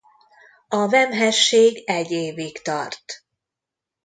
A vemhesség egy évig tart.